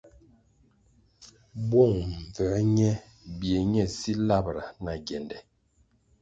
Bwong mbvuē me bie ne zi labʼra na ngyende.